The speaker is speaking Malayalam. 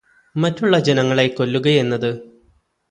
മറ്റുള്ള ജനങ്ങളെ കൊല്ലുകയെന്നത്